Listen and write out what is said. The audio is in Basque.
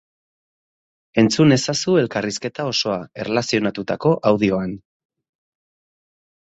Entzun ezazu elkarrizketa osoa erlazionatutako audioan.